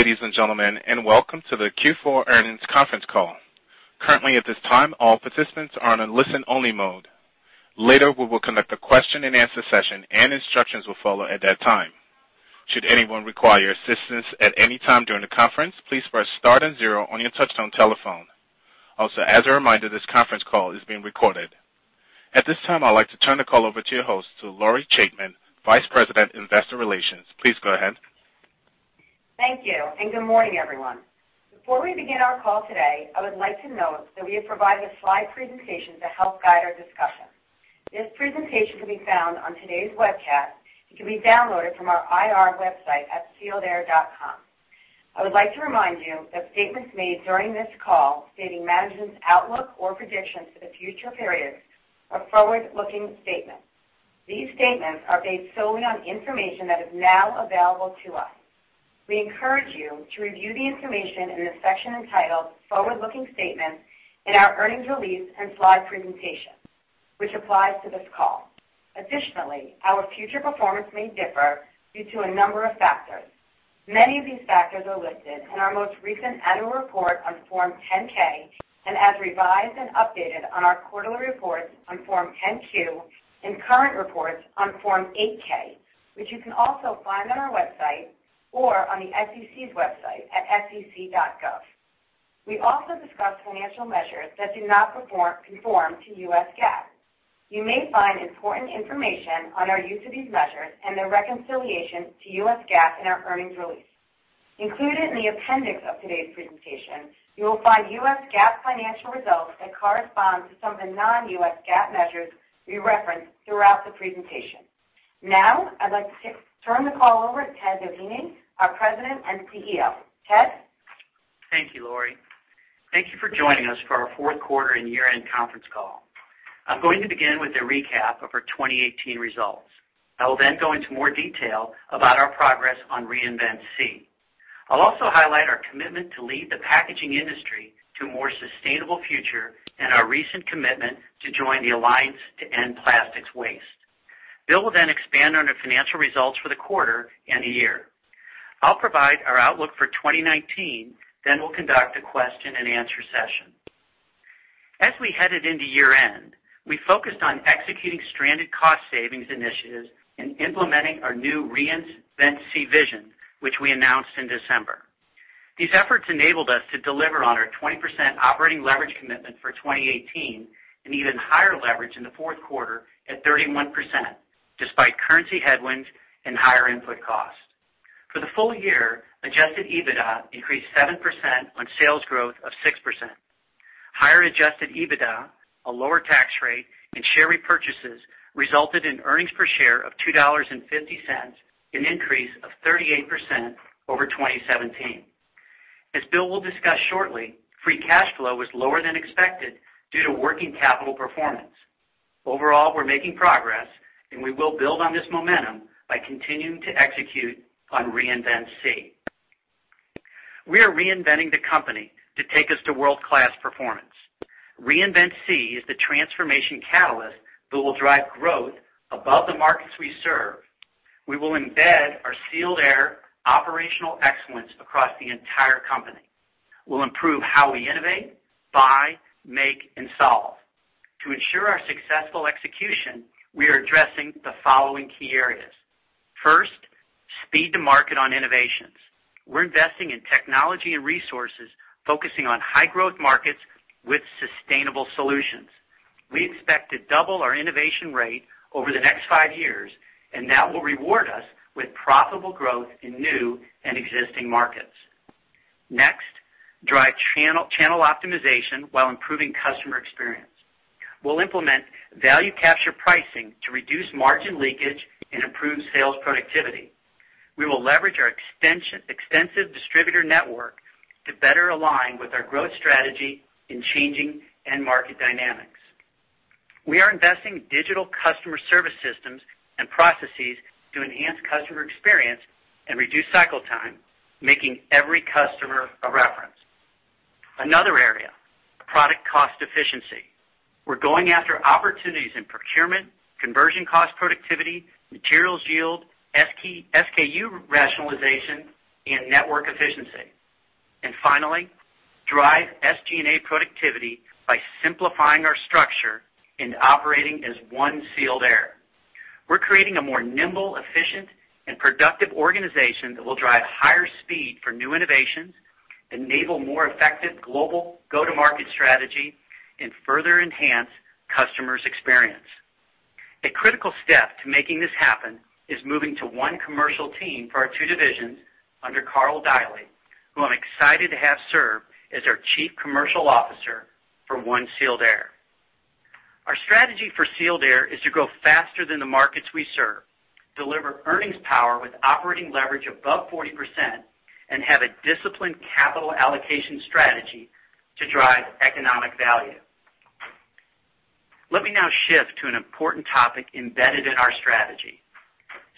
Good ladies and gentlemen, welcome to the Q4 earnings conference call. Currently, at this time, all participants are on a listen-only mode. Later, we will conduct a question and answer session, and instructions will follow at that time. Should anyone require assistance at any time during the conference, please press star and zero on your touch-tone telephone. Also, as a reminder, this conference call is being recorded. At this time, I'd like to turn the call over to your host, to Lori Chaitman, Vice President, Investor Relations. Please go ahead. Thank you, good morning, everyone. Before we begin our call today, I would like to note that we have provided a slide presentation to help guide our discussion. This presentation can be found on today's webcast. It can be downloaded from our IR website at sealedair.com. I would like to remind you that statements made during this call stating management's outlook or predictions for the future periods are forward-looking statements. These statements are based solely on information that is now available to us. We encourage you to review the information in the section entitled Forward-Looking Statements in our earnings release and slide presentation, which applies to this call. Additionally, our future performance may differ due to a number of factors. Many of these factors are listed in our most recent annual report on Form 10-K and as revised and updated on our quarterly reports on Form 10-Q and current reports on Form 8-K, which you can also find on our website or on the SEC's website at sec.gov. We also discuss financial measures that do not conform to U.S. GAAP. You may find important information on our use of these measures and their reconciliation to U.S. GAAP in our earnings release. Included in the appendix of today's presentation, you will find U.S. GAAP financial results that correspond to some of the non-U.S. GAAP measures we reference throughout the presentation. Now, I'd like to turn the call over to Ted Doheny, our President and CEO. Ted? Thank you, Lori. Thank you for joining us for our fourth quarter and year-end conference call. I'm going to begin with a recap of our 2018 results. I will then go into more detail about our progress on Reinvent SEE. I'll also highlight our commitment to lead the packaging industry to a more sustainable future and our recent commitment to join the Alliance to End Plastic Waste. Bill will then expand on our financial results for the quarter and the year. I'll provide our outlook for 2019, then we'll conduct a question and answer session. As we headed into year-end, we focused on executing stranded cost savings initiatives and implementing our new Reinvent SEE vision, which we announced in December. These efforts enabled us to deliver on our 20% operating leverage commitment for 2018, and even higher leverage in the fourth quarter at 31%, despite currency headwinds and higher input costs. For the full year, adjusted EBITDA increased 7% on sales growth of 6%. Higher adjusted EBITDA, a lower tax rate, and share repurchases resulted in earnings per share of $2.50, an increase of 38% over 2017. As Bill will discuss shortly, free cash flow was lower than expected due to working capital performance. Overall, we're making progress, and we will build on this momentum by continuing to execute on Reinvent SEE. We are reinventing the company to take us to world-class performance. Reinvent SEE is the transformation catalyst that will drive growth above the markets we serve. We will embed our Sealed Air operational excellence across the entire company. We'll improve how we innovate, buy, make, and solve. To ensure our successful execution, we are addressing the following key areas. First, speed to market on innovations. We're investing in technology and resources, focusing on high-growth markets with sustainable solutions. We expect to double our innovation rate over the next five years, and that will reward us with profitable growth in new and existing markets. Next, drive channel optimization while improving customer experience. We'll implement value capture pricing to reduce margin leakage and improve sales productivity. We will leverage our extensive distributor network to better align with our growth strategy in changing end market dynamics. We are investing in digital customer service systems and processes to enhance customer experience and reduce cycle time, making every customer a reference. Another area, product cost efficiency. We're going after opportunities in procurement, conversion cost productivity, materials yield, SKU rationalization, and network efficiency. Finally, drive SG&A productivity by simplifying our structure and operating as One Sealed Air. We're creating a more nimble, efficient, and productive organization that will drive higher speed for new innovations, enable more effective global go-to-market strategy, and further enhance customers' experience. A critical step to making this happen is moving to one commercial team for our two divisions under Karl Deily, who I'm excited to have serve as our Chief Commercial Officer for One Sealed Air. Our strategy for Sealed Air is to grow faster than the markets we serve, deliver earnings power with operating leverage above 40%, and have a disciplined capital allocation strategy to drive economic value. Let me now shift to an important topic embedded in our strategy: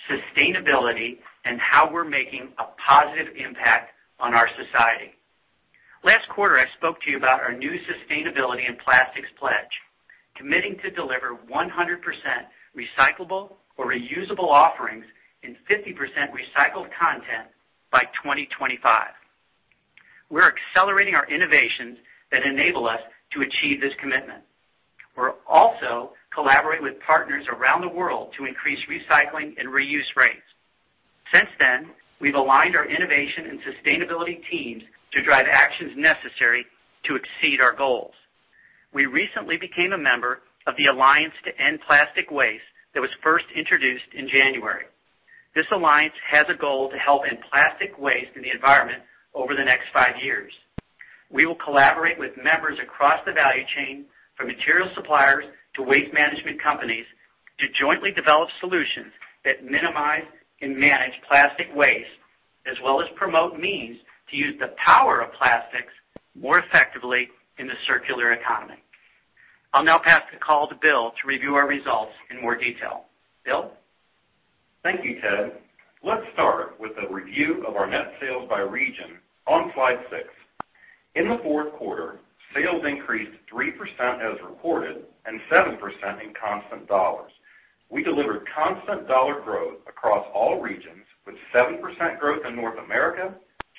sustainability and how we're making a positive impact on our society. Last quarter, I spoke to you about our new sustainability and plastics pledge, committing to deliver 100% recyclable or reusable offerings in 50% recycled content by 2025. We're accelerating our innovations that enable us to achieve this commitment. We're also collaborating with partners around the world to increase recycling and reuse rates. Since then, we've aligned our innovation and sustainability teams to drive actions necessary to exceed our goals. We recently became a member of the Alliance to End Plastic Waste that was first introduced in January. This alliance has a goal to help end plastic waste in the environment over the next five years. We will collaborate with members across the value chain, from material suppliers to waste management companies, to jointly develop solutions that minimize and manage plastic waste, as well as promote means to use the power of plastics more effectively in the circular economy. I'll now pass the call to Bill to review our results in more detail. Bill? Thank you, Ted. Let's start with a review of our net sales by region on slide six. In the fourth quarter, sales increased 3% as reported and 7% in constant dollars. We delivered constant dollar growth across all regions, with 7% growth in North America,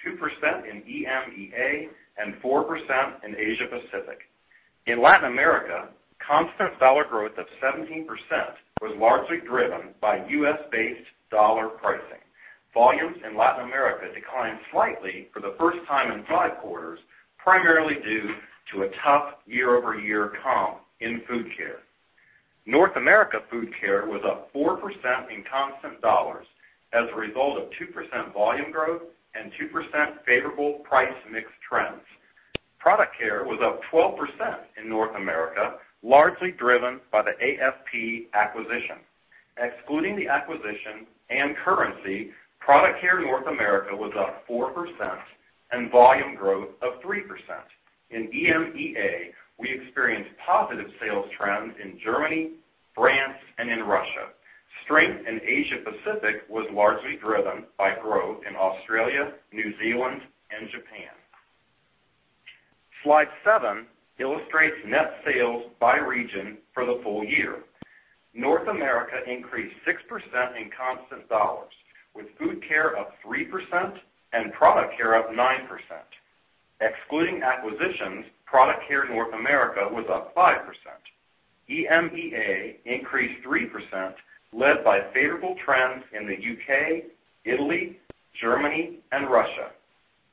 2% in EMEA, and 4% in Asia Pacific. In Latin America, constant dollar growth of 17% was largely driven by U.S.-based dollar pricing. Volumes in Latin America declined slightly for the first time in five quarters, primarily due to a tough year-over-year comp in Food Care. North America Food Care was up 4% in constant dollars as a result of 2% volume growth and 2% favorable price mix trends. Product Care was up 12% in North America, largely driven by the AFP acquisition. Excluding the acquisition and currency, Product Care North America was up 4% and volume growth of 3%. In EMEA, we experienced positive sales trends in Germany, France, and in Russia. Strength in Asia Pacific was largely driven by growth in Australia, New Zealand, and Japan. Slide seven illustrates net sales by region for the full year. North America increased 6% in constant dollars, with Food Care up 3% and Product Care up 9%. Excluding acquisitions, Product Care North America was up 5%. EMEA increased 3%, led by favorable trends in the U.K., Italy, Germany, and Russia.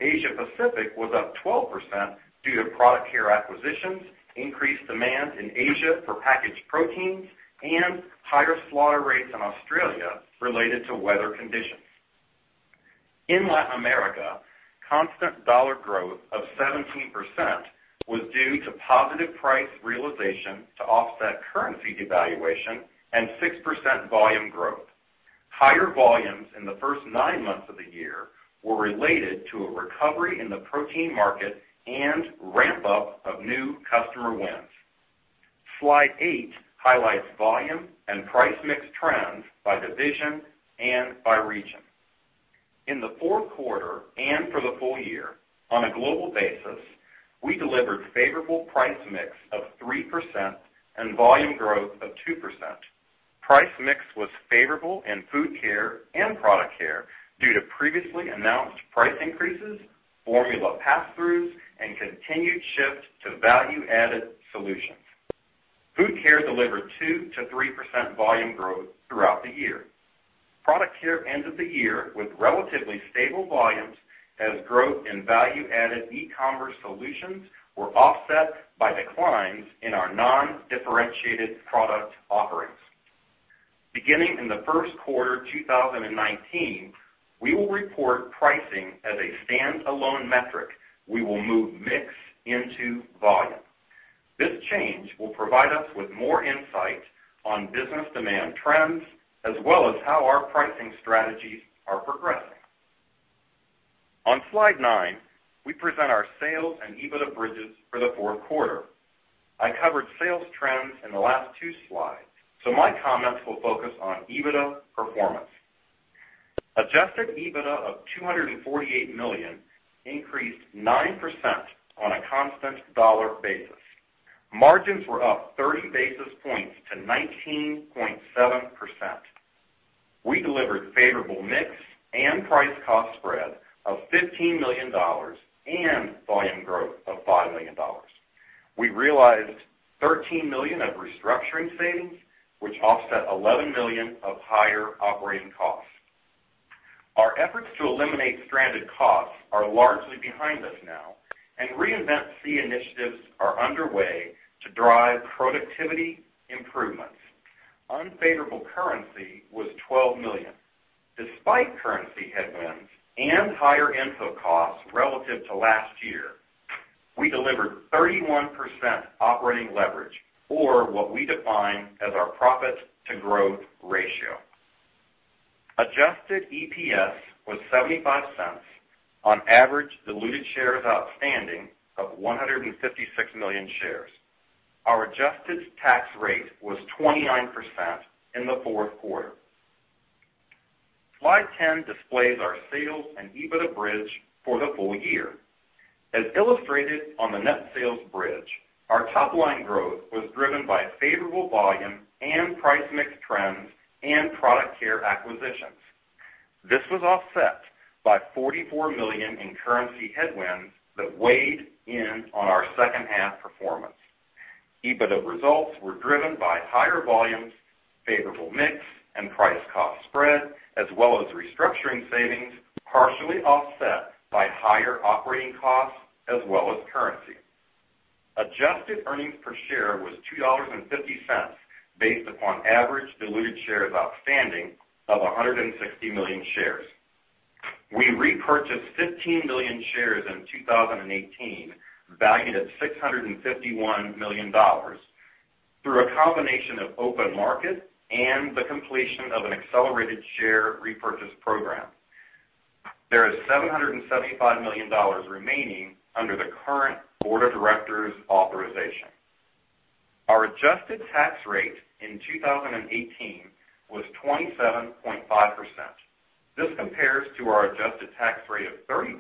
Asia Pacific was up 12% due to Product Care acquisitions, increased demand in Asia for packaged proteins, and higher slaughter rates in Australia related to weather conditions. In Latin America, constant dollar growth of 17% was due to positive price realization to offset currency devaluation and 6% volume growth. Higher volumes in the first nine months of the year were related to a recovery in the protein market and ramp-up of new customer wins. Slide eight highlights volume and price mix trends by division and by region. In the fourth quarter and for the full year, on a global basis, we delivered favorable price mix of 3% and volume growth of 2%. Price mix was favorable in Food Care and Product Care due to previously announced price increases, formula passthroughs, and continued shift to value-added solutions. Food Care delivered 2%-3% volume growth throughout the year. Product Care ended the year with relatively stable volumes as growth in value-added e-commerce solutions were offset by declines in our non-differentiated product offerings. Beginning in the first quarter 2019, we will report pricing as a stand-alone metric. We will move mix into volume. This change will provide us with more insight on business demand trends, as well as how our pricing strategies are progressing. On slide nine, we present our sales and EBITDA bridges for the fourth quarter. I covered sales trends in the last two slides, so my comments will focus on EBITDA performance. Adjusted EBITDA of $248 million increased 9% on a constant dollar basis. Margins were up 30 basis points to 19.7%. We delivered favorable mix and price-cost spread of $15 million and volume growth of $5 million. We realized $13 million of restructuring savings, which offset $11 million of higher operating costs. Our efforts to eliminate stranded costs are largely behind us now, and Reinvent SEE initiatives are underway to drive productivity improvements. Unfavorable currency was $12 million. Despite currency headwinds and higher input costs relative to last year, we delivered 31% operating leverage or what we define as our profit-to-growth ratio. Adjusted EPS was $0.75 on average diluted shares outstanding of 156 million shares. Our adjusted tax rate was 29% in the fourth quarter. Slide 10 displays our sales and EBITDA bridge for the full year. As illustrated on the net sales bridge, our top-line growth was driven by favorable volume and price mix trends and Product Care acquisitions. This was offset by $44 million in currency headwinds that weighed in on our second-half performance. EBITDA results were driven by higher volumes, favorable mix, and price-cost spread, as well as restructuring savings, partially offset by higher operating costs as well as currency. Adjusted earnings per share was $2.50, based upon average diluted shares outstanding of 160 million shares. We repurchased 15 million shares in 2018, valued at $651 million through a combination of open market and the completion of an accelerated share repurchase program. There is $775 million remaining under the current board of directors' authorization. Our adjusted tax rate in 2018 was 27.5%. This compares to our adjusted tax rate of 30%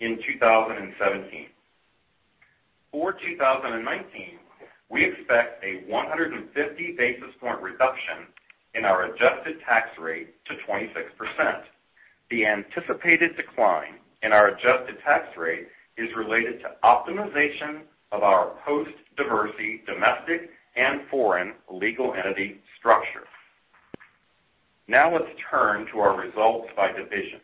in 2017. For 2019, we expect a 150 basis point reduction in our adjusted tax rate to 26%. The anticipated decline in our adjusted tax rate is related to optimization of our post-Diversey domestic and foreign legal entity structure. Now let's turn to our results by division.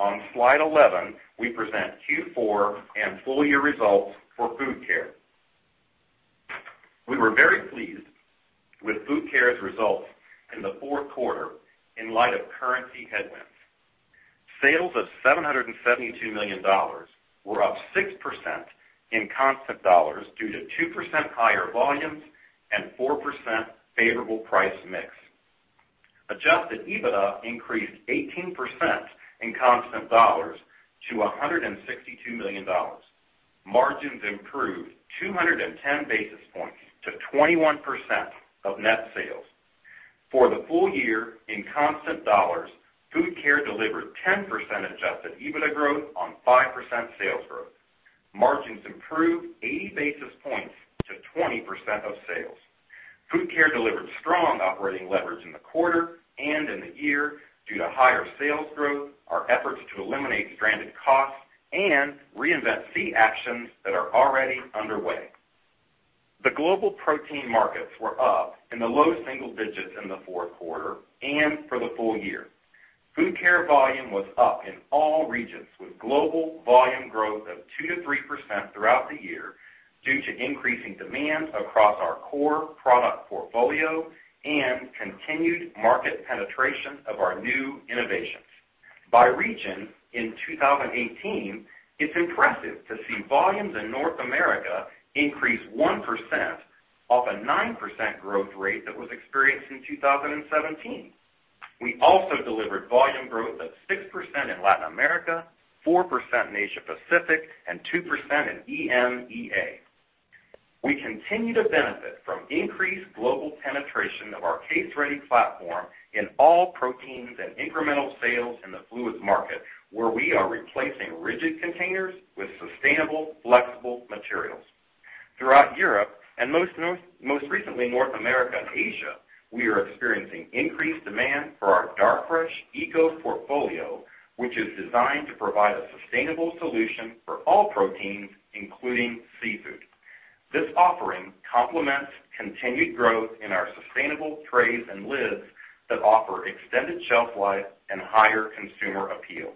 On Slide 11, we present Q4 and full-year results for Food Care. We were very pleased with Food Care's results in the fourth quarter in light of currency headwinds. Sales of $772 million were up 6% in constant dollars due to 2% higher volumes and 4% favorable price mix. Adjusted EBITDA increased 18% in constant dollars to $162 million. Margins improved 210 basis points to 21% of net sales. For the full year, in constant dollars, Food Care delivered 10% adjusted EBITDA growth on 5% sales growth. Margins improved 80 basis points to 20% of sales. Food Care delivered strong operating leverage in the quarter and in the year due to higher sales growth, our efforts to eliminate stranded costs, and Reinvent SEE actions that are already underway. The global protein markets were up in the low single digits in the fourth quarter and for the full year. Food Care volume was up in all regions, with global volume growth of 2% to 3% throughout the year due to increasing demand across our core product portfolio and continued market penetration of our new innovations. By region, in 2018, it's impressive to see volumes in North America increase 1% off a 9% growth rate that was experienced in 2017. We also delivered volume growth of 6% in Latin America, 4% in Asia Pacific, and 2% in EMEA. We continue to benefit from increased global penetration of our case-ready platform in all proteins and incremental sales in the fluids market, where we are replacing rigid containers with sustainable, flexible materials. Throughout Europe, and most recently North America and Asia, we are experiencing increased demand for our Darfresh Eco portfolio, which is designed to provide a sustainable solution for all proteins, including seafood. This offering complements continued growth in our sustainable trays and lids that offer extended shelf life and higher consumer appeal.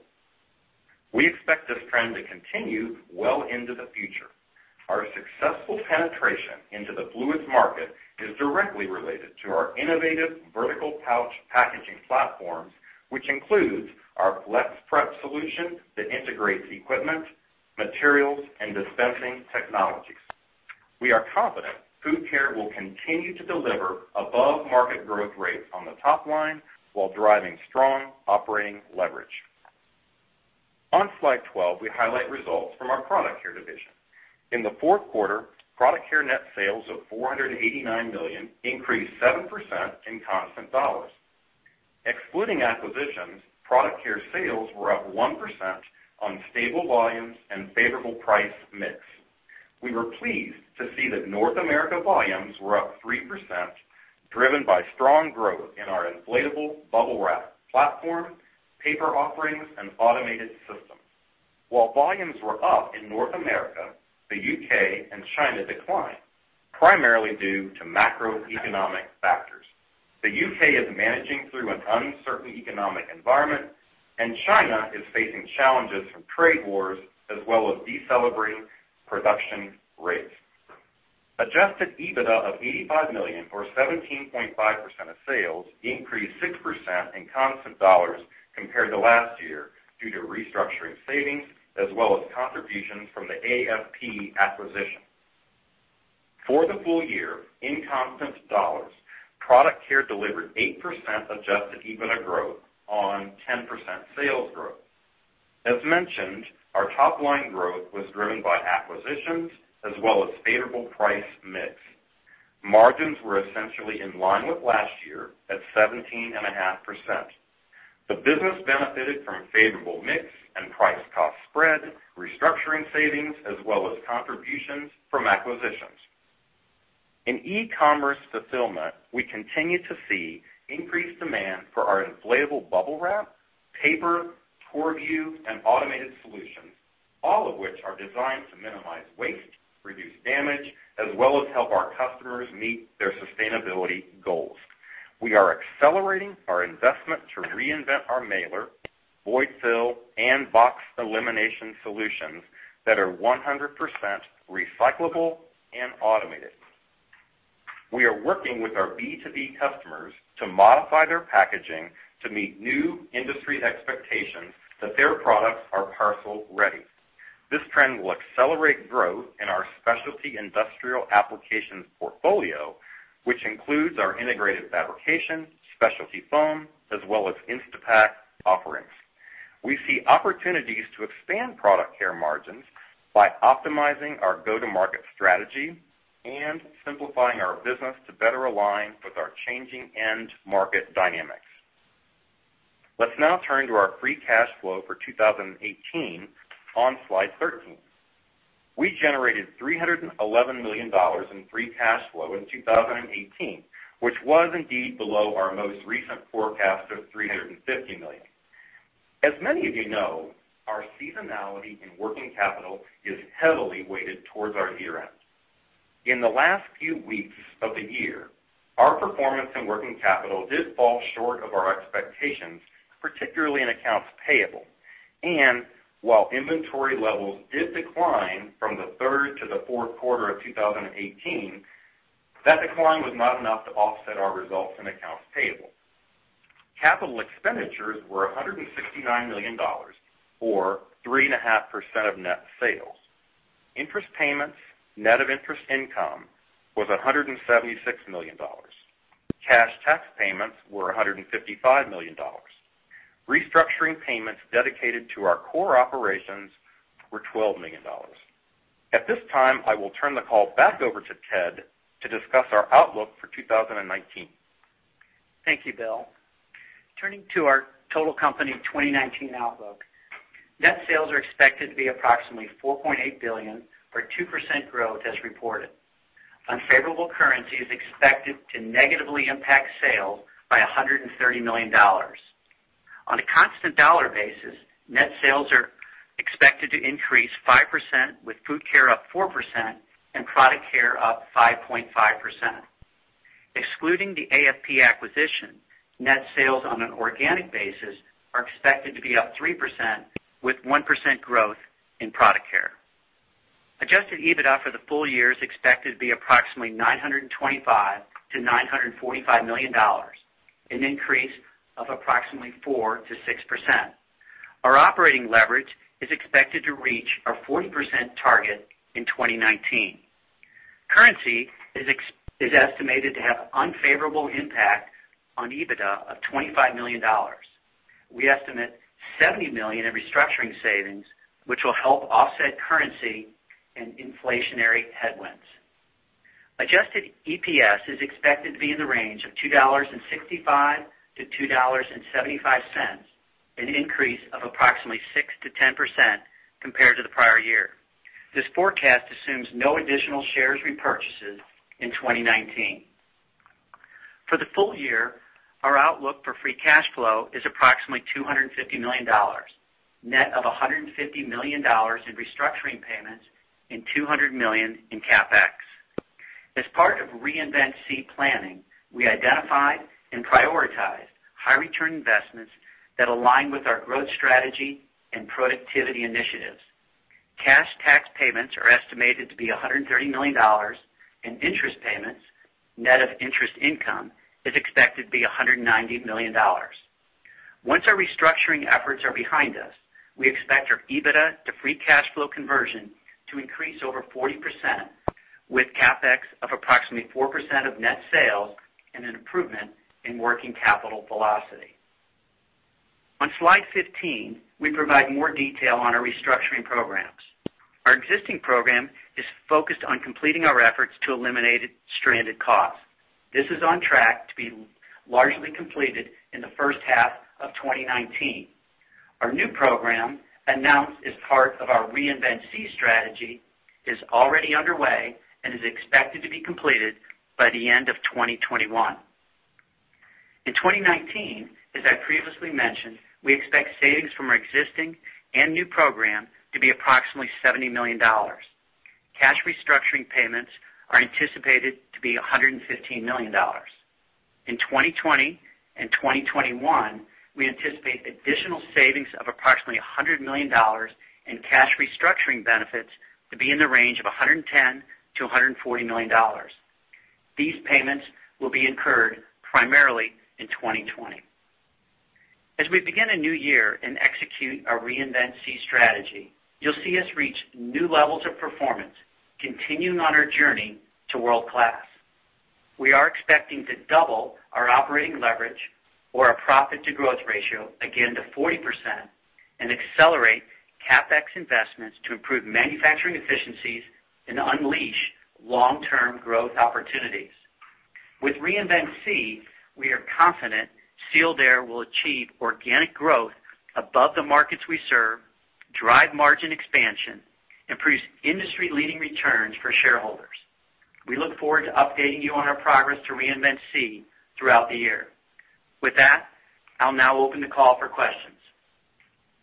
We expect this trend to continue well into the future. Our successful penetration into the fluids market is directly related to our innovative vertical pouch packaging platforms, which includes our FlexPrep solution that integrates equipment, materials, and dispensing technologies. We are confident Food Care will continue to deliver above-market growth rates on the top line while driving strong operating leverage. On Slide 12, we highlight results from our Product Care division. In the fourth quarter, Product Care net sales of $489 million increased 7% in constant dollars. Excluding acquisitions, Product Care sales were up 1% on stable volumes and favorable price mix. We were pleased to see that North America volumes were up 3%, driven by strong growth in our inflatable Bubble Wrap platform, paper offerings, and automated systems. While volumes were up in North America, the U.K., and China declined, primarily due to macroeconomic factors. The U.K. is managing through an uncertain economic environment, and China is facing challenges from trade wars, as well as decelerating production rates. Adjusted EBITDA of $85 million, or 17.5% of sales, increased 6% in constant dollars compared to last year due to restructuring savings as well as contributions from the AFP acquisition. Mentioned, our top-line growth was driven by acquisitions as well as favorable price mix. Margins were essentially in line with last year, at 17.5%. The business benefited from favorable mix and price-cost spread, restructuring savings, as well as contributions from acquisitions. In e-commerce fulfillment, we continue to see increased demand for our inflatable Bubble Wrap, paper, Korrvu, and automated solutions, all of which are designed to minimize waste, reduce damage, as well as help our customers meet their sustainability goals. We are accelerating our investment to reinvent our mailer, void fill, and box elimination solutions that are 100% recyclable and automated. We are working with our B2B customers to modify their packaging to meet new industry expectations that their products are parcel-ready. This trend will accelerate growth in our specialty industrial applications portfolio, which includes our integrated fabrication, specialty foam, as well as Instapak offerings. We see opportunities to expand Product Care margins by optimizing our go-to-market strategy and simplifying our business to better align with our changing end market dynamics. Let's now turn to our free cash flow for 2018 on slide 13. We generated $311 million in free cash flow in 2018, which was indeed below our most recent forecast of $350 million. Many of you know, our seasonality in working capital is heavily weighted towards our year-end. In the last few weeks of the year, our performance in working capital did fall short of our expectations, particularly in accounts payable. While inventory levels did decline from the third to the fourth quarter of 2018, that decline was not enough to offset our results in accounts payable. Capital expenditures were $169 million, or 3.5% of net sales. Interest payments, net of interest income, was $176 million. Cash tax payments were $155 million. Restructuring payments dedicated to our core operations were $12 million. At this time, I will turn the call back over to Ted to discuss our outlook for 2019. Thank you, Bill. Turning to our total company 2019 outlook, net sales are expected to be approximately $4.8 billion, or 2% growth as reported. Unfavorable currency is expected to negatively impact sales by $130 million. On a constant dollar basis, net sales are expected to increase 5%, with Food Care up 4% and Product Care up 5.5%. Excluding the AFP acquisition, net sales on an organic basis are expected to be up 3%, with 1% growth in Product Care. Adjusted EBITDA for the full year is expected to be approximately $925 million-$945 million, an increase of approximately 4%-6%. Our operating leverage is expected to reach our 40% target in 2019. Currency is estimated to have unfavorable impact on EBITDA of $25 million. We estimate $70 million in restructuring savings, which will help offset currency and inflationary headwinds. Adjusted EPS is expected to be in the range of $2.65-$2.75, an increase of approximately 6%-10% compared to the prior year. This forecast assumes no additional share repurchases in 2019. For the full year, our outlook for free cash flow is approximately $250 million, net of $150 million in restructuring payments and $200 million in CapEx. As part of Reinvent SEE planning, we identified and prioritized high-return investments that align with our growth strategy and productivity initiatives. Cash tax payments are estimated to be $130 million, and interest payments, net of interest income, is expected to be $190 million. Once our restructuring efforts are behind us, we expect our EBITDA to free cash flow conversion to increase over 40%, with CapEx of approximately 4% of net sales and an improvement in working capital velocity. On slide 15, we provide more detail on our restructuring programs. Our existing program is focused on completing our efforts to eliminate stranded costs. This is on track to be largely completed in the first half of 2019. Our new program, announced as part of our Reinvent SEE strategy, is already underway and is expected to be completed by the end of 2021. In 2019, as I previously mentioned, we expect savings from our existing and new program to be approximately $70 million. Cash restructuring payments are anticipated to be $115 million. In 2020 and 2021, we anticipate additional savings of approximately $100 million and cash restructuring benefits to be in the range of $110 million-$140 million. These payments will be incurred primarily in 2020. As we begin a new year and execute our Reinvent SEE strategy, you'll see us reach new levels of performance, continuing on our journey to world-class. We are expecting to double our operating leverage or our profit-to-growth ratio again to 40% and accelerate CapEx investments to improve manufacturing efficiencies and unleash long-term growth opportunities. With Reinvent SEE, we are confident Sealed Air will achieve organic growth above the markets we serve, drive margin expansion, and produce industry-leading returns for shareholders. We look forward to updating you on our progress to Reinvent SEE throughout the year. With that, I'll now open the call for questions.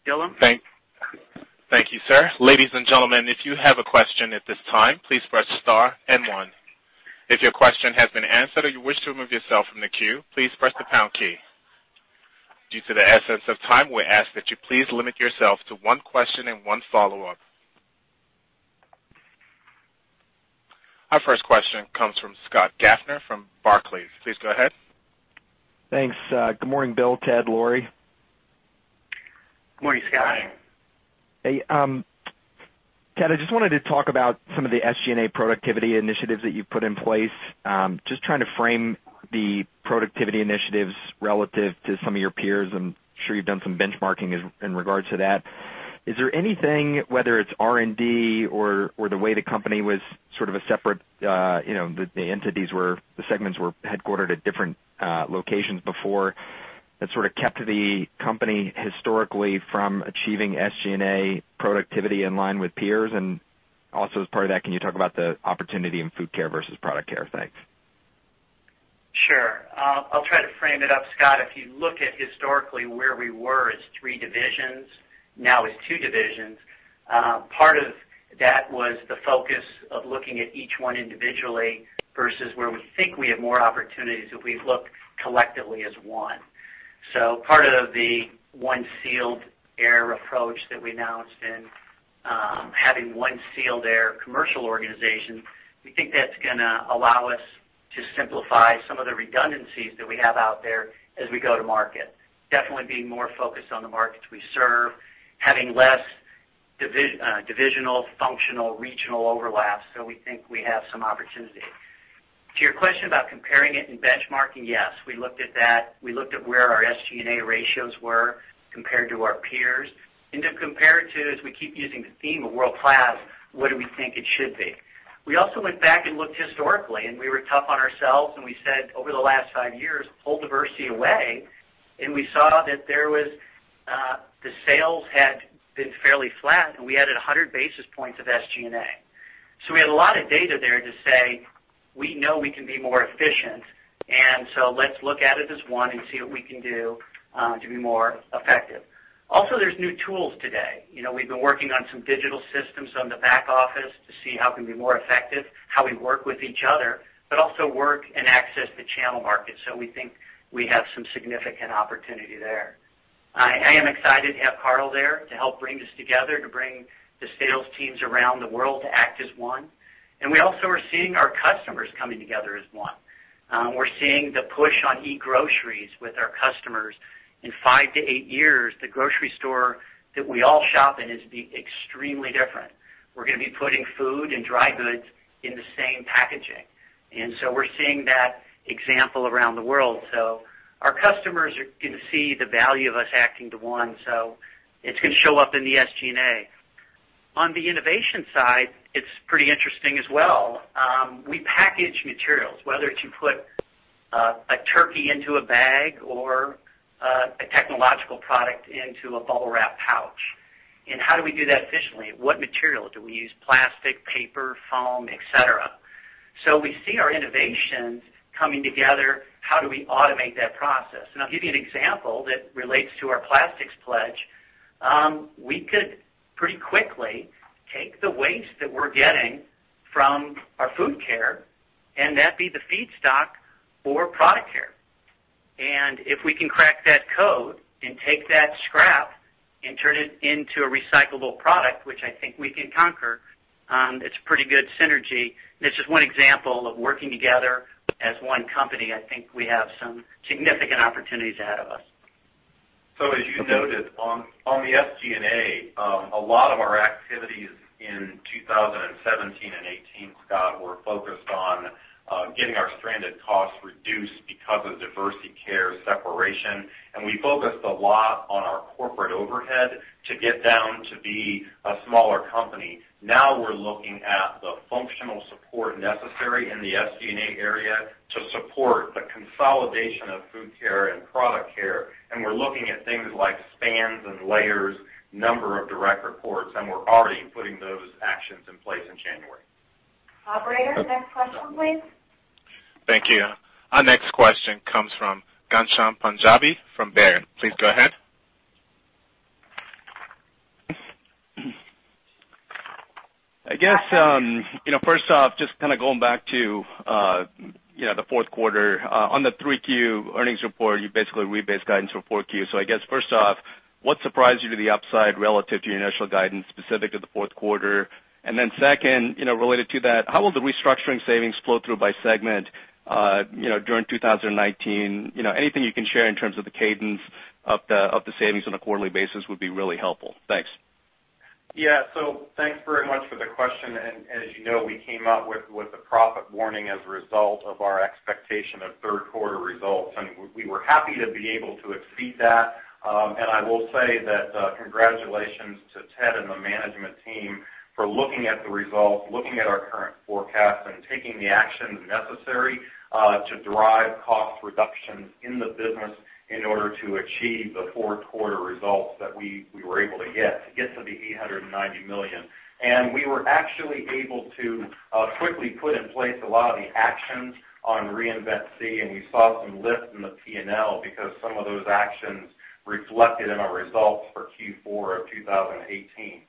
Dylan? Thank you, sir. Ladies and gentlemen, if you have a question at this time, please press star and one. If your question has been answered or you wish to remove yourself from the queue, please press the pound key. Due to the essence of time, we ask that you please limit yourself to one question and one follow-up. Our first question comes from Scott Gaffner from Barclays. Please go ahead. Thanks. Good morning, Bill, Ted, Lori. Morning, Scott. Hey, Ted, I just wanted to talk about some of the SG&A productivity initiatives that you've put in place. Just trying to frame the productivity initiatives relative to some of your peers. I'm sure you've done some benchmarking in regards to that. Is there anything, whether it's R&D or the way the company was sort of a separate, the segments were headquartered at different locations before, that sort of kept the company historically from achieving SG&A productivity in line with peers? Also, as part of that, can you talk about the opportunity in Food Care versus Product Care? Thanks. I'll try to frame it up, Scott. If you look at historically where we were as three divisions, now as two divisions, part of that was the focus of looking at each one individually versus where we think we have more opportunities if we look collectively as one. Part of the One Sealed Air approach that we announced and having one Sealed Air commercial organization, we think that's going to allow us to simplify some of the redundancies that we have out there as we go-to-market. Being more focused on the markets we serve, having less divisional, functional, regional overlaps. We think we have some opportunity. To your question about comparing it and benchmarking, yes, we looked at that. We looked at where our SG&A ratios were compared to our peers, and then compared to, as we keep using the theme of world-class, what do we think it should be? We also went back and looked historically, and we were tough on ourselves, and we said over the last five years, pull Diversey away, and we saw that the sales had been fairly flat, and we added 100 basis points of SG&A. We had a lot of data there to say, we know we can be more efficient, and so let's look at it as one and see what we can do to be more effective. There's new tools today. We've been working on some digital systems on the back office to see how we can be more effective, how we work with each other, but also work and access the channel market. We think we have some significant opportunity there. I am excited to have Karl there to help bring this together, to bring the sales teams around the world to act as one. We also are seeing our customers coming together as one. We're seeing the push on e-groceries with our customers. In five to eight years, the grocery store that we all shop in is extremely different. We're going to be putting food and dry goods in the same packaging. We're seeing that example around the world. Our customers are going to see the value of us acting to one. It's going to show up in the SG&A. On the innovation side, it's pretty interesting as well. We package materials, whether it's you put a turkey into a bag or a technological product into a Bubble Wrap pouch. How do we do that efficiently? What material do we use? Plastic, paper, foam, et cetera. We see our innovations coming together. How do we automate that process? I'll give you an example that relates to our plastics pledge. We could pretty quickly take the waste that we're getting from our Food Care and that be the feedstock for Product Care. If we can crack that code and take that scrap and turn it into a recyclable product, which I think we can conquer, it's pretty good synergy. It's just one example of working together as one company. I think we have some significant opportunities ahead of us. As you noted on the SG&A, a lot of our activities in 2017 and 2018, Scott, were focused on getting our stranded costs reduced because of Diversey Care separation. We focused a lot on our corporate overhead to get down to be a smaller company. We're looking at the functional support necessary in the SG&A area to support the consolidation of Food Care and Product Care. We're looking at things like spans and layers, number of direct reports, and we're already putting those actions in place in January. Operator, next question, please. Thank you. Our next question comes from Ghansham Panjabi from Baird. Please go ahead. I guess first off, just kind of going back to the fourth quarter. On the 3Q earnings report, you basically rebased guidance for 4Q. I guess first off, what surprised you to the upside relative to your initial guidance specific to the fourth quarter? Then second, related to that, how will the restructuring savings flow through by segment during 2019? Anything you can share in terms of the cadence of the savings on a quarterly basis would be really helpful. Thanks. Thanks very much for the question. As you know, we came up with a profit warning as a result of our expectation of third quarter results, and we were happy to be able to exceed that. I will say that, congratulations to Ted and the management team for looking at the results, looking at our current forecasts and taking the actions necessary to drive cost reductions in the business in order to achieve the fourth quarter results that we were able to get, to get to the $890 million. We were actually able to quickly put in place a lot of the actions on Reinvent SEE, and you saw some lift in the P&L because some of those actions reflected in our results for Q4 of 2018.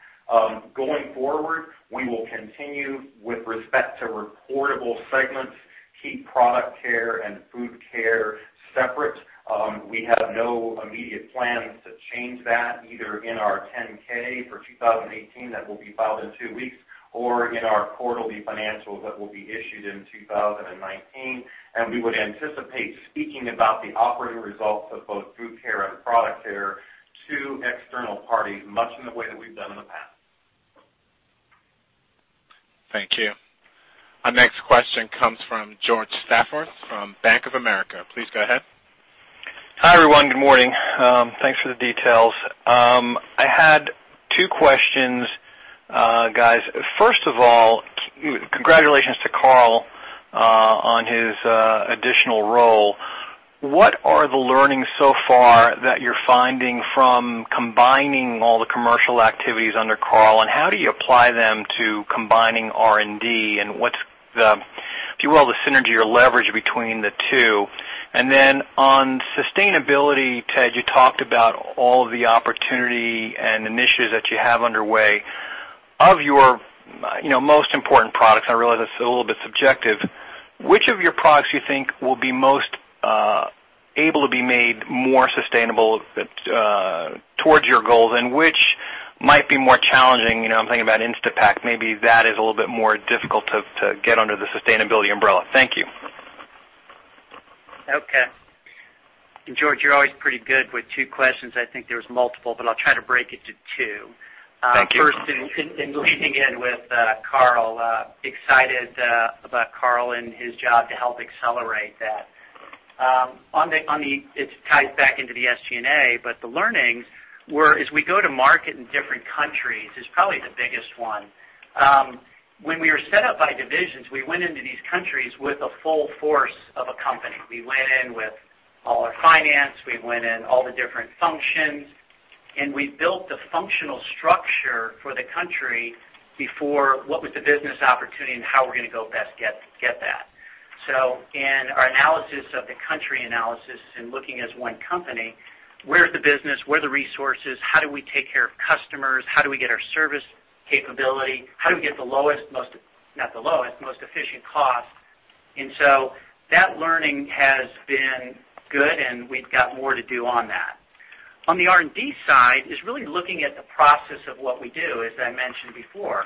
Going forward, we will continue with respect to reportable segments, keep Product Care and Food Care separate. We have no immediate plans to change that, either in our 10-K for 2018 that will be filed in two weeks or in our quarterly financials that will be issued in 2019. We would anticipate speaking about the operating results of both Food Care and Product Care to external parties, much in the way that we've done in the past. Thank you. Our next question comes from George Staphos from Bank of America. Please go ahead. Hi, everyone. Good morning. Thanks for the details. I had two questions, guys. First of all, congratulations to Karl on his additional role. What are the learnings so far that you're finding from combining all the commercial activities under Karl? How do you apply them to combining R&D? What's the synergy or leverage between the two? Then on sustainability, Ted, you talked about all of the opportunity and initiatives that you have underway. Of your most important products, I realize that's a little bit subjective, which of your products you think will be most able to be made more sustainable towards your goals, and which might be more challenging? I'm thinking about Instapak. Maybe that is a little bit more difficult to get under the sustainability umbrella. Thank you. Okay. George, you're always pretty good with two questions. I think there's multiple, but I'll try to break it to two. Thank you. First, in leading in with Karl, excited about Karl and his job to help accelerate that. It ties back into the SG&A, but the learnings were as we go to market in different countries is probably the biggest one. When we were set up by divisions, we went into these countries with the full force of a company. We went in with all our finance, we went in all the different functions, and we built the functional structure for the country before what was the business opportunity and how we're going to go best get that. In our analysis of the country analysis and looking as one company, where's the business? Where are the resources? How do we take care of customers? How do we get our service capability? How do we get the lowest, not the lowest, most efficient cost? That learning has been good, and we've got more to do on that. On the R&D side is really looking at the process of what we do. As I mentioned before,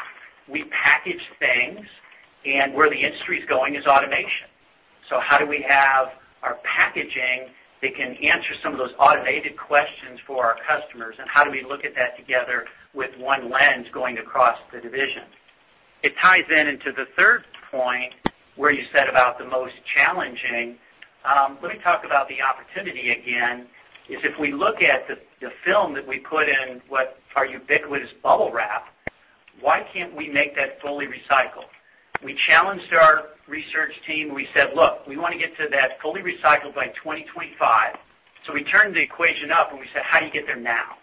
we package things and where the industry is going is automation. How do we have our packaging that can answer some of those automated questions for our customers? How do we look at that together with one lens going across the division? It ties in into the third point where you said about the most challenging. Let me talk about the opportunity again, is if we look at the film that we put in what our ubiquitous Bubble Wrap, why can't we make that fully recycled? We challenged our research team. We said, "Look, we want to get to that fully recycled by 2025." We turned the equation up and we said, "How do you get there now?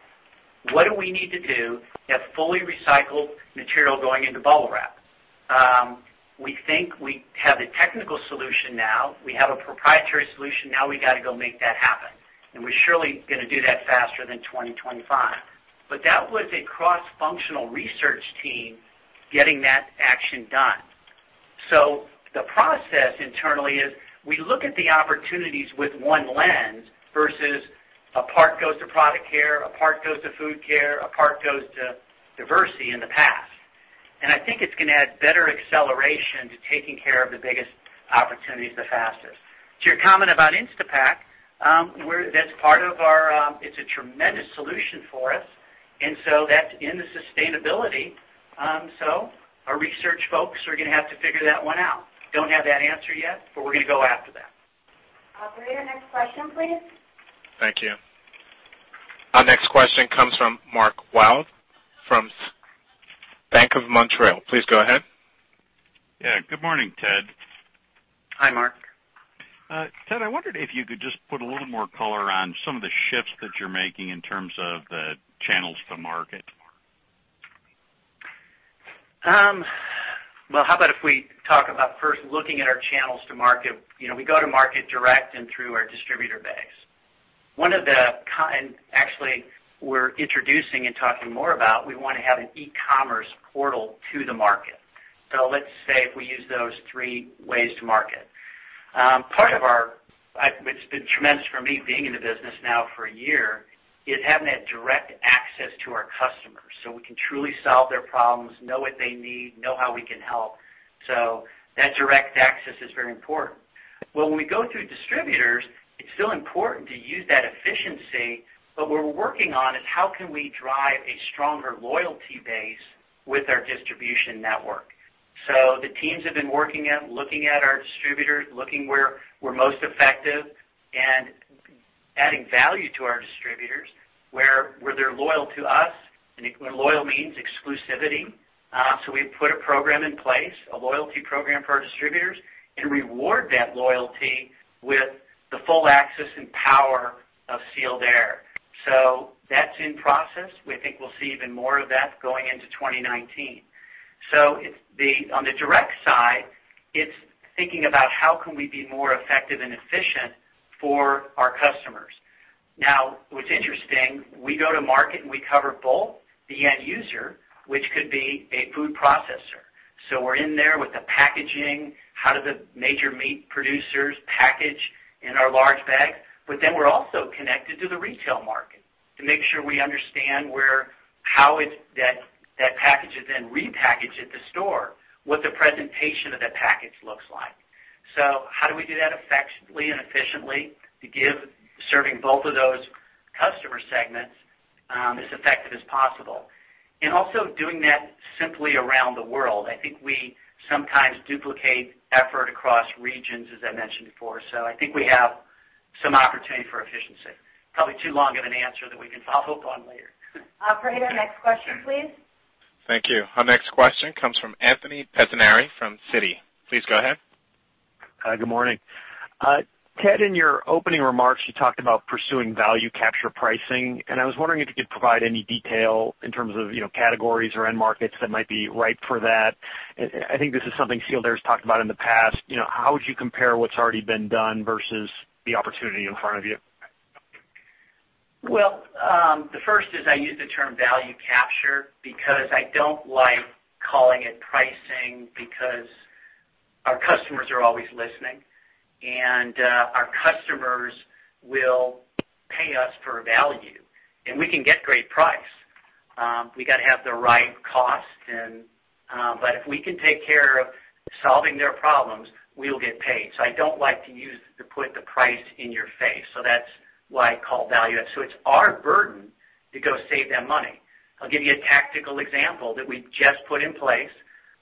What do we need to do to have fully recycled material going into Bubble Wrap?" We think we have a technical solution now. We have a proprietary solution. We got to go make that happen. We're surely going to do that faster than 2025. That was a cross-functional research team getting that action done. The process internally is we look at the opportunities with one lens versus a part goes to Product Care, a part goes to Food Care, a part goes to Diversey in the past. I think it's going to add better acceleration to taking care of the biggest opportunities the fastest. To your comment about Instapak, it's a tremendous solution for us. That's in the sustainability. Our research folks are going to have to figure that one out. Don't have that answer yet, but we're going to go after that. Operator, next question, please. Thank you. Our next question comes from Mark Wilde from Bank of Montreal. Please go ahead. Yeah. Good morning, Ted. Hi, Mark. Ted, I wondered if you could just put a little more color on some of the shifts that you're making in terms of the channels to market. How about if we talk about first looking at our channels to market. We go to market direct and through our distributor base. Actually, we're introducing and talking more about we want to have an e-commerce portal to the market. Let's say if we use those three ways to market. It's been tremendous for me being in the business now for a year, is having that direct access to our customers so we can truly solve their problems, know what they need, know how we can help. That direct access is very important. When we go through distributors, it's still important to use that efficiency, but what we're working on is how can we drive a stronger loyalty base with our distribution network. The teams have been working at looking at our distributors, looking where we're most effective, and adding value to our distributors, where they're loyal to us, and loyal means exclusivity. We put a program in place, a loyalty program for our distributors, and reward that loyalty with the full access and power of Sealed Air. That's in process. We think we'll see even more of that going into 2019. On the direct side, it's thinking about how can we be more effective and efficient for our customers. What's interesting, we go to market and we cover both the end user, which could be a food processor. We're in there with the packaging, how do the major meat producers package in our large bag? We're also connected to the retail market to make sure we understand how that package is then repackaged at the store, what the presentation of that package looks like. How do we do that effectively and efficiently to give serving both of those customer segments as effective as possible? Also doing that simply around the world. I think we sometimes duplicate effort across regions, as I mentioned before. I think we have some opportunity for efficiency. Probably too long of an answer that we can follow up on later. Operator, next question, please. Thank you. Our next question comes from Anthony Pettinari from Citi. Please go ahead. Hi, good morning. Ted, in your opening remarks, you talked about pursuing value capture pricing, and I was wondering if you could provide any detail in terms of categories or end markets that might be ripe for that. I think this is something Sealed Air's talked about in the past. How would you compare what's already been done versus the opportunity in front of you? The first is I use the term value capture because I don't like calling it pricing because our customers are always listening, our customers will pay us for value, and we can get great price. We got to have the right cost, if we can take care of solving their problems, we will get paid. I don't like to put the price in your face, that's why I call it value add. It's our burden to go save them money. I'll give you a tactical example that we've just put in place.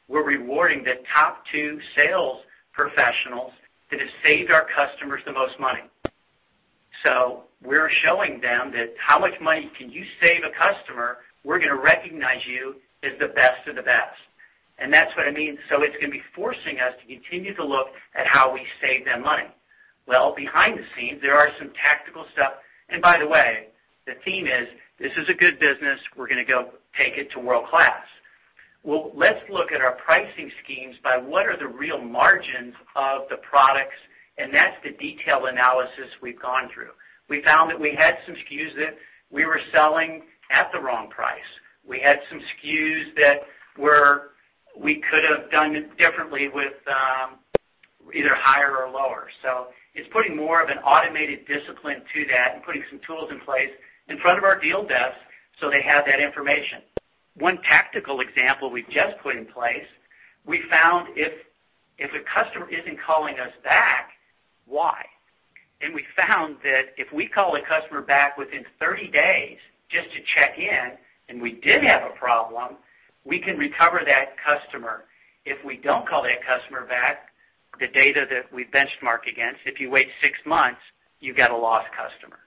We're rewarding the top two sales professionals that have saved our customers the most money. We're showing them that how much money can you save a customer, we're going to recognize you as the best of the best. That's what I mean. It's going to be forcing us to continue to look at how we save them money. Behind the scenes, there are some tactical stuff. By the way, the theme is, this is a good business. We're going to go take it to world-class. Let's look at our pricing schemes by what are the real margins of the products, that's the detailed analysis we've gone through. We found that we had some SKUs that we were selling at the wrong price. We had some SKUs that we could have done differently with either higher or lower. It's putting more of an automated discipline to that and putting some tools in place in front of our deal desks so they have that information. One tactical example we've just put in place, we found if a customer isn't calling us back, why? We found that if we call a customer back within 30 days just to check in, and we did have a problem, we can recover that customer. If we don't call that customer back, the data that we benchmark against, if you wait six months, you've got a lost customer.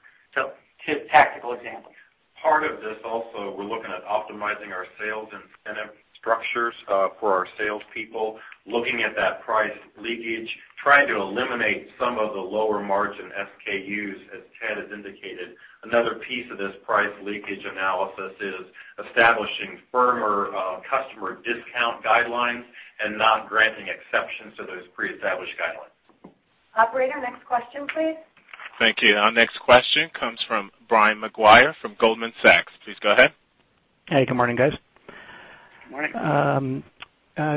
Tactical examples. Part of this also, we're looking at optimizing our sales incentive structures for our salespeople, looking at that price leakage, trying to eliminate some of the lower margin SKUs, as Ted has indicated. Another piece of this price leakage analysis is establishing firmer customer discount guidelines and not granting exceptions to those pre-established guidelines. Operator, next question, please. Thank you. Our next question comes from Brian Maguire from Goldman Sachs. Please go ahead. Hey, good morning, guys. Good morning.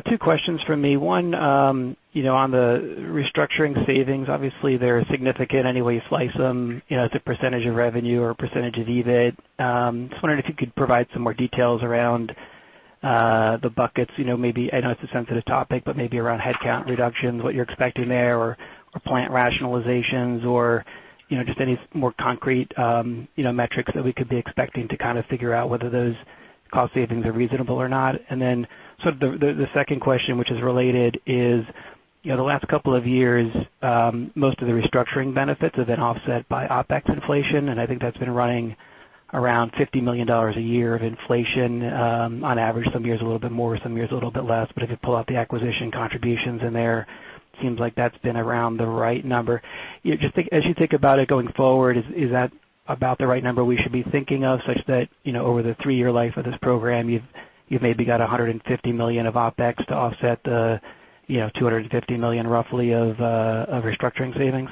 Two questions from me. One, on the restructuring savings, obviously they're significant any way you slice them, as a percentage of revenue or percentage of EBIT. Just wondering if you could provide some more details around the buckets. I know it's a sensitive topic, but maybe around headcount reductions, what you're expecting there, or plant rationalizations, or just any more concrete metrics that we could be expecting to kind of figure out whether those cost savings are reasonable or not. The second question, which is related, is the last couple of years, most of the restructuring benefits have been offset by OpEx inflation, and I think that's been running around $50 million a year of inflation on average, some years a little bit more, some years a little bit less. If you pull out the acquisition contributions in there, seems like that's been around the right number. As you think about it going forward, is that about the right number we should be thinking of, such that over the three-year life of this program, you've maybe got $150 million of OpEx to offset the $250 million roughly of restructuring savings?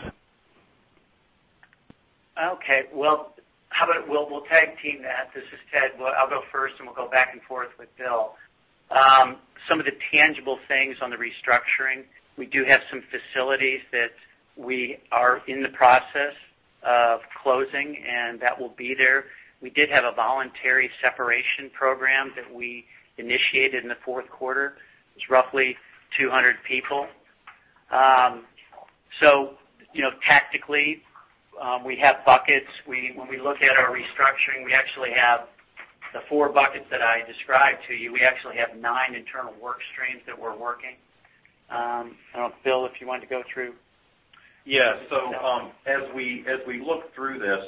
Okay. Well, how about we'll tag-team that. This is Ted. I'll go first, and we'll go back and forth with Bill. Some of the tangible things on the restructuring, we do have some facilities that we are in the process of closing, and that will be there. We did have a voluntary separation program that we initiated in the fourth quarter. It was roughly 200 people. Tactically, we have buckets. When we look at our restructuring, we actually have the four buckets that I described to you. We actually have nine internal work streams that we're working. I don't know, Bill, if you wanted to go through. Yeah. As we look through this,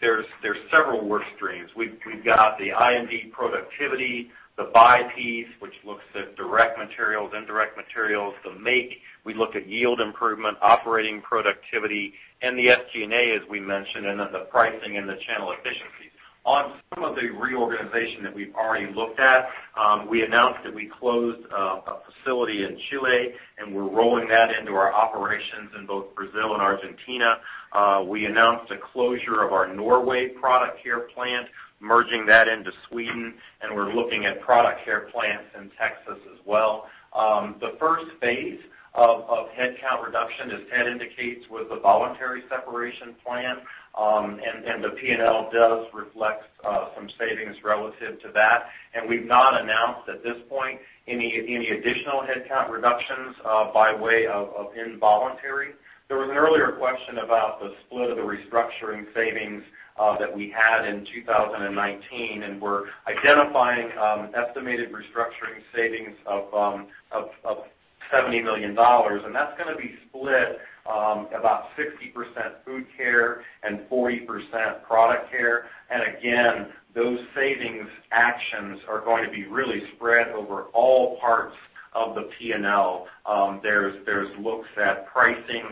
there's several work streams. We've got the I&D productivity, the buy piece, which looks at direct materials, indirect materials, the make. We look at yield improvement, operating productivity, and the SG&A, as we mentioned, then the pricing and the channel efficiencies. On some of the reorganization that we've already looked at, we announced that we closed a facility in Chile, and we're rolling that into our operations in both Brazil and Argentina. We announced a closure of our Norway Product Care plant, merging that into Sweden, and we're looking at Product Care plants in Texas as well. The first phase of headcount reduction, as Ted indicates, was the voluntary separation plan. The P&L does reflect some savings relative to that. We've not announced at this point any additional headcount reductions by way of involuntary. There was an earlier question about the split of the restructuring savings that we had in 2019, and we're identifying estimated restructuring savings of $70 million. That's going to be split about 60% Food Care and 40% Product Care. Again, those savings actions are going to be really spread over all parts of the P&L. There's looks at pricing,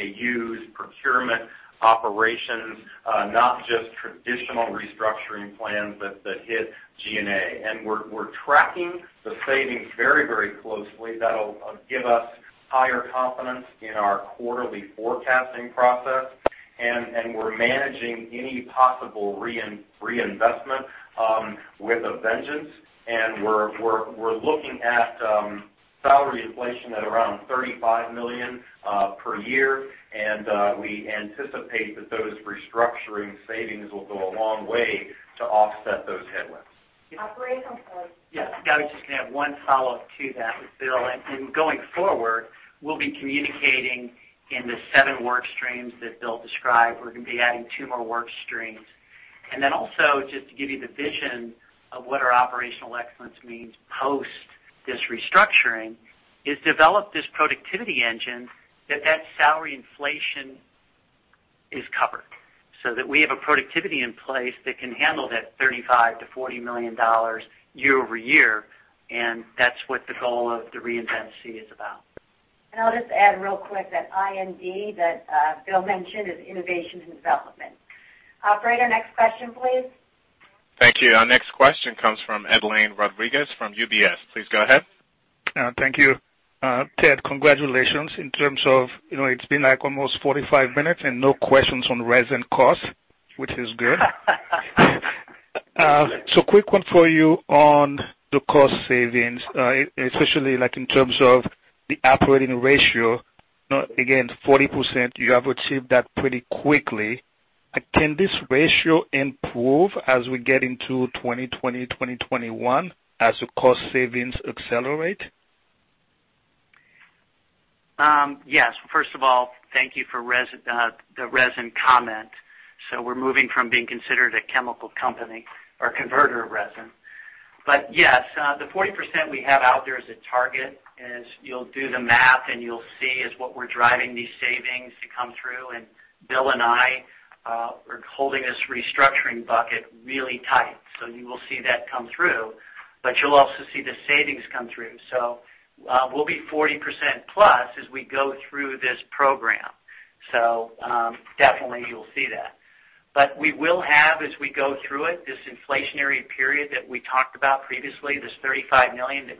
SKUs, procurement, operations, not just traditional restructuring plans that hit G&A. We're tracking the savings very closely. That'll give us higher confidence in our quarterly forecasting process. We're managing any possible reinvestment with a vengeance. We're looking at salary inflation at around $35 million per year. We anticipate that those restructuring savings will go a long way to offset those headwinds. Yes. I was just going to have one follow-up to that with Bill. Going forward, we'll be communicating in the seven work streams that Bill described. We're going to be adding two more work streams. Also, just to give you the vision of what our operational excellence means post this restructuring, is develop this productivity engine that salary inflation is covered, so that we have a productivity in place that can handle that $35 million-$40 million year-over-year, and that's what the goal of the Reinvent SEE is about. I'll just add real quick that I&D that Bill mentioned is innovation and development. Operator, next question, please. Thank you. Our next question comes from Edlain Rodriguez from UBS. Please go ahead. Thank you. Ted, congratulations in terms of, it's been almost 45 minutes, and no questions on resin cost, which is good. Quick one for you on the cost savings, especially in terms of the operating ratio. Again, 40%, you have achieved that pretty quickly. Can this ratio improve as we get into 2020, 2021 as the cost savings accelerate? Yes. First of all, thank you for the resin comment. We're moving from being considered a chemical company or converter of resin. Yes, the 40% we have out there as a target is you'll do the math and you'll see is what we're driving these savings to come through, and Bill and I are holding this restructuring bucket really tight. You will see that come through, but you'll also see the savings come through. We'll be 40%+ as we go through this program. Definitely you'll see that. We will have, as we go through it, this inflationary period that we talked about previously, this $35 million that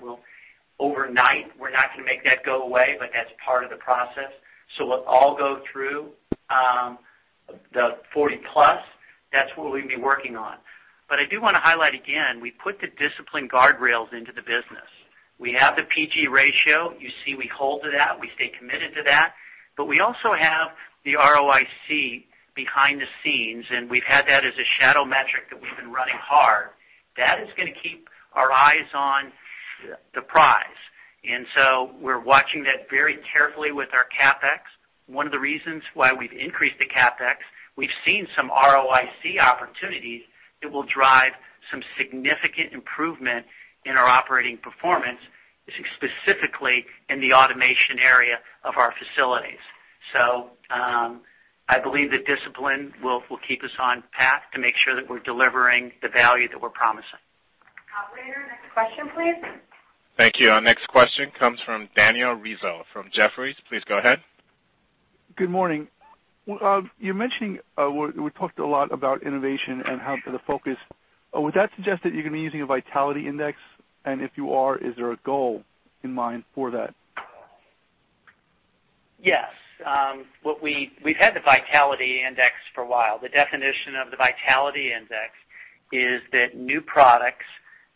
overnight, we're not going to make that go away, but that's part of the process. We'll all go through the 40+. That's what we'll be working on. I do want to highlight again, we put the discipline guardrails into the business. We have the PG ratio. You see we hold to that. We stay committed to that. We also have the ROIC behind the scenes, and we've had that as a shadow metric that we've been running hard. That is going to keep our eyes on the prize. We're watching that very carefully with our CapEx. One of the reasons why we've increased the CapEx, we've seen some ROIC opportunities that will drive some significant improvement in our operating performance, specifically in the automation area of our facilities. I believe the discipline will keep us on path to make sure that we're delivering the value that we're promising. Operator, next question, please. Thank you. Our next question comes from Daniel Rizzo from Jefferies. Please go ahead. Good morning. You're mentioning we talked a lot about innovation and how the focus. Would that suggest that you're going to be using a vitality index? If you are, is there a goal in mind for that? Yes. We've had the vitality index for a while. The definition of the vitality index is that new products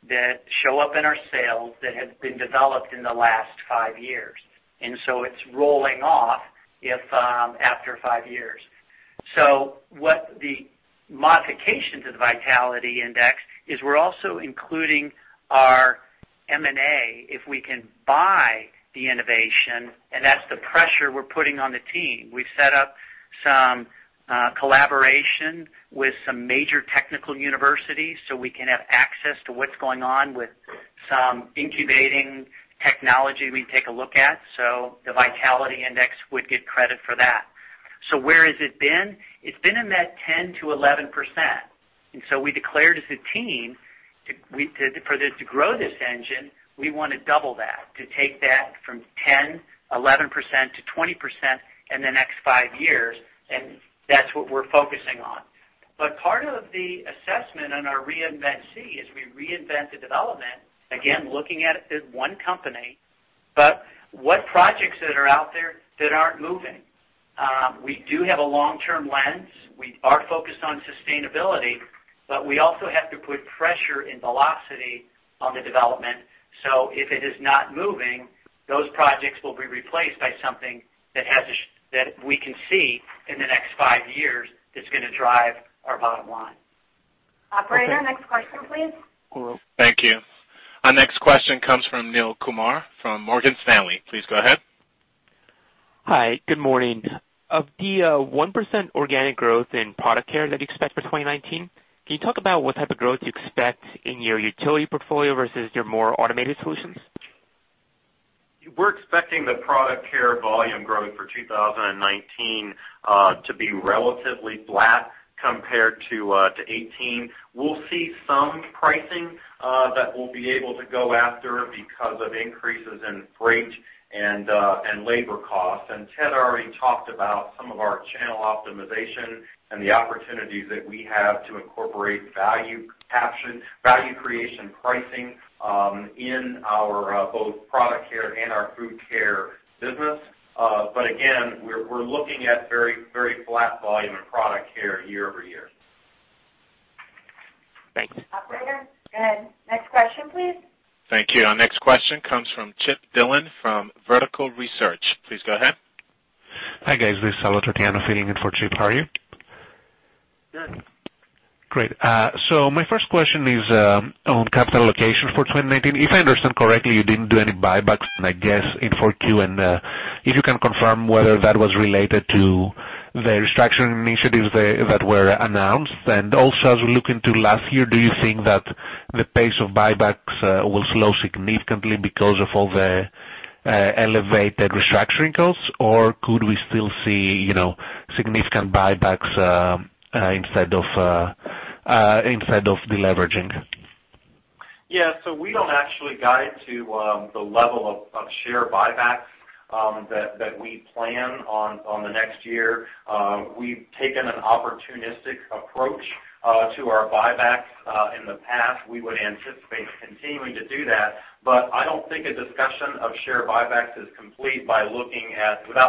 that show up in our sales that have been developed in the last five years. It's rolling off after five years. What the modification to the vitality index is we're also including our M&A if we can buy the innovation, that's the pressure we're putting on the team. We've set up some collaboration with some major technical universities so we can have access to what's going on with some incubating technology we take a look at. The vitality index would get credit for that. Where has it been? It's been in that 10%-11%. We declared as a team, for this to grow this engine, we want to double that, to take that from 10%, 11% to 20% in the next five years. That's what we're focusing on. Part of the assessment on our Reinvent SEE is we reinvent the development, again, looking at it as one company, but what projects that are out there that aren't moving. We do have a long-term lens. We are focused on sustainability, but we also have to put pressure and velocity on the development. If it is not moving, those projects will be replaced by something that we can see in the next 5 years that's going to drive our bottom line. Operator, next question, please. Thank you. Our next question comes from Neel Kumar from Morgan Stanley. Please go ahead. Hi. Good morning. Of the 1% organic growth in Product Care that you expect for 2019, can you talk about what type of growth you expect in your utility portfolio versus your more automated solutions? We're expecting the Product Care volume growing for 2019, to be relatively flat compared to 2018. We'll see some pricing, that we'll be able to go after because of increases in freight and labor costs. Ted already talked about some of our channel optimization and the opportunities that we have to incorporate value capture, value creation pricing, in our both Product Care and our Food Care business. Again, we're looking at very flat volume in Product Care year-over-year. Thanks. Operator, go ahead. Next question, please. Thank you. Our next question comes from Chip Dillon from Vertical Research. Please go ahead. Hi, guys. This is Salvator Tiano filling in for Chip. How are you? Good. Great. My first question is, on capital allocation for 2019. If I understand correctly, you didn't do any buybacks, and I guess in 4Q, and if you can confirm whether that was related to the restructuring initiatives that were announced. As we look into last year, do you think that the pace of buybacks will slow significantly because of all the elevated restructuring costs? Could we still see significant buybacks instead of deleveraging? We don't actually guide to the level of share buybacks that we plan on the next year. We've taken an opportunistic approach to our buybacks in the past. We would anticipate continuing to do that, but I don't think a discussion of share buybacks is complete without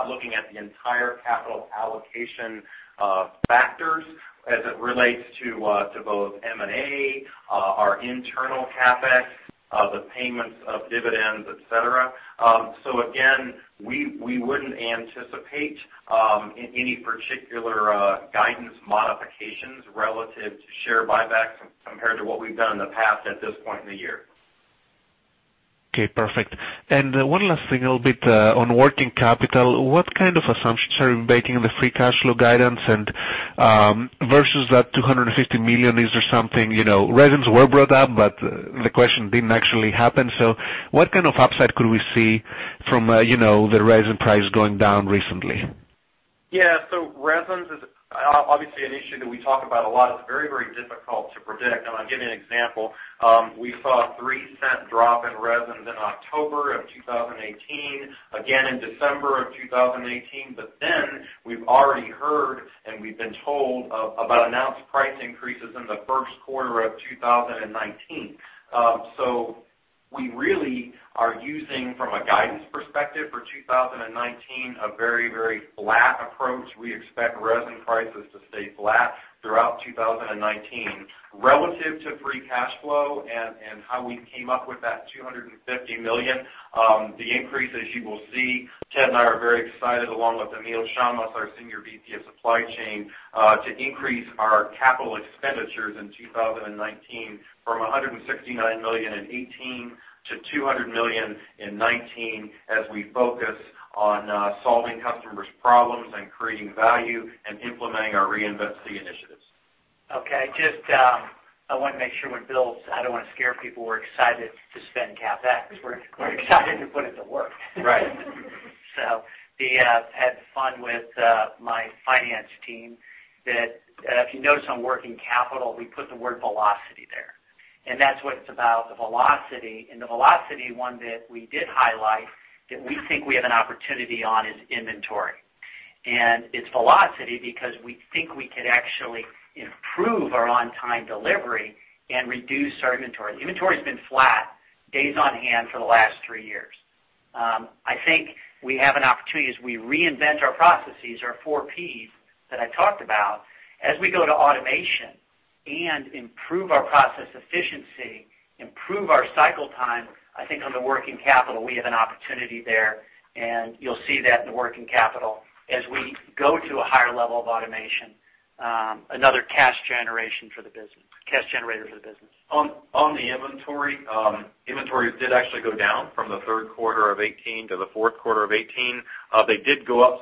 looking at the entire capital allocation factors as it relates to both M&A, our internal CapEx, the payments of dividends, et cetera. Again, we wouldn't anticipate any particular guidance modifications relative to share buybacks compared to what we've done in the past at this point in the year. Okay, perfect. One last thing, a little bit on working capital. What kind of assumptions are you making in the free cash flow guidance and, versus that $250 million? Resins were brought up, but the question didn't actually happen. What kind of upside could we see from the resin price going down recently? Resins is obviously an issue that we talk about a lot. It's very, very difficult to predict. I'll give you an example. We saw a $0.03 drop in resins in October of 2018, again in December of 2018. We've already heard, and we've been told about announced price increases in the first quarter of 2019. We really are using, from a guidance perspective for 2019, a very, very flat approach. We expect resin prices to stay flat throughout 2019. Relative to free cash flow and how we came up with that $250 million, the increase as you will see, Ted and I are very excited along with Emile Chammas, our Senior VP of Supply Chain, to increase our capital expenditures in 2019 from $169 million in 2018 to $200 million in 2019 as we focus on solving customers' problems and creating value and implementing our Reinvent SEE initiatives. I want to make sure with Bill, I don't want to scare people. We're excited to spend CapEx. We're excited to put it to work. Right. I had fun with my finance team that if you notice on working capital, we put the word velocity there, that's what it's about, the velocity. The velocity one bit we did highlight that we think we have an opportunity on is inventory. It's velocity because we think we could actually improve our on-time delivery and reduce our inventory. Inventory's been flat days on hand for the last three years. I think we have an opportunity as we reinvent our processes, our four Ps that I talked about, as we go to automation and improve our process efficiency, improve our cycle time, I think on the working capital, we have an opportunity there, and you'll see that in the working capital as we go to a higher level of automation. Another cash generator for the business. On the inventory, inventories did actually go down from the third quarter of 2018 to the fourth quarter of 2018. They did go up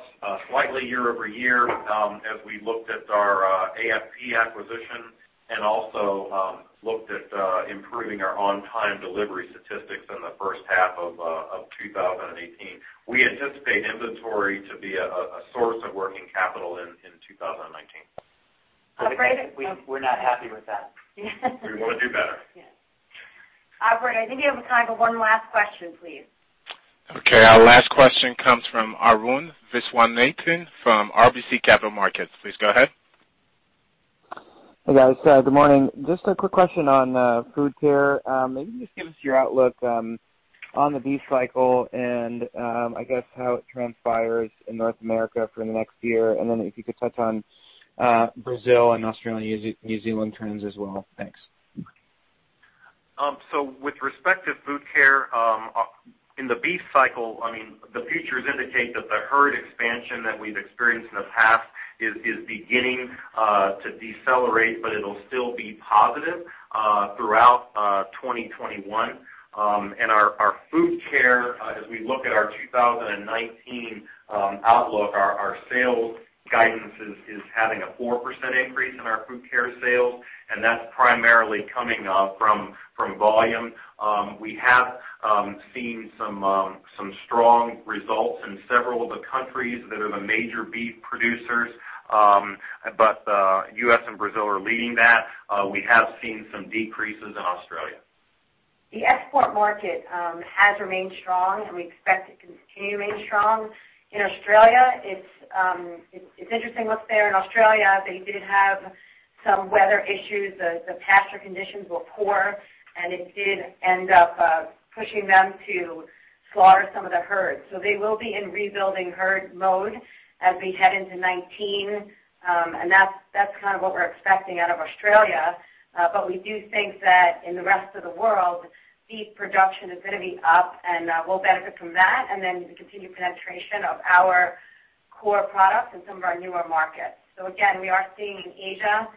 slightly year-over-year as we looked at our AFP acquisition and also looked at improving our on-time delivery statistics in the first half of 2018. We anticipate inventory to be a source of working capital in 2019. We're not happy with that. We want to do better. Yes. Operator, I think you have time for one last question, please. Okay. Our last question comes from Arun Viswanathan from RBC Capital Markets. Please go ahead. Hey, guys. Good morning. Just a quick question on Food Care. Maybe just give us your outlook on the beef cycle and, I guess, how it transpires in North America for the next year. If you could touch on Brazil and Australia, New Zealand trends as well. Thanks. With respect to Food Care, in the beef cycle, the futures indicate that the herd expansion that we've experienced in the past is beginning to decelerate, but it'll still be positive throughout 2021. Our Food Care, as we look at our 2019 outlook, our sales guidance is having a 4% increase in our Food Care sales, and that's primarily coming from volume. We have seen some strong results in several of the countries that are the major beef producers. U.S. and Brazil are leading that. We have seen some decreases in Australia. The export market has remained strong, and we expect it to continue to remain strong. In Australia, it's interesting what's there. In Australia, they did have some weather issues. The pasture conditions were poor, and it did end up pushing them to slaughter some of the herds. They will be in rebuilding herd mode as we head into 2019. That's kind of what we're expecting out of Australia. We do think that in the rest of the world, beef production is going to be up, and we'll benefit from that, and then the continued penetration of our core products in some of our newer markets. Again, we are seeing in Asia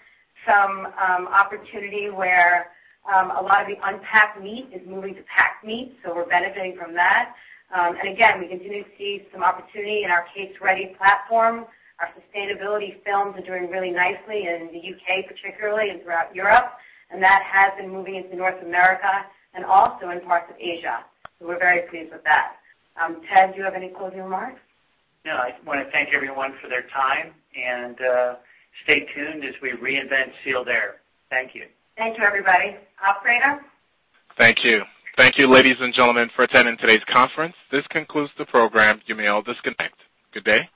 some opportunity where a lot of the unpacked meat is moving to packed meat, so we're benefiting from that. Again, we continue to see some opportunity in our case-ready platform. Our sustainability films are doing really nicely in the U.K. particularly, and throughout Europe, and that has been moving into North America and also in parts of Asia. We're very pleased with that. Ted, do you have any closing remarks? No. I just want to thank everyone for their time, and stay tuned as we reinvent Sealed Air. Thank you. Thank you, everybody. Operator? Thank you. Thank you, ladies and gentlemen, for attending today's conference. This concludes the program. You may all disconnect. Good day.